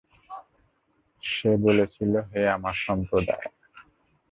সে বলেছিল, হে আমার সম্প্রদায়!